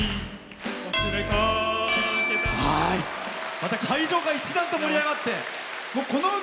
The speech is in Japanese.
また会場が一段と盛り上がって。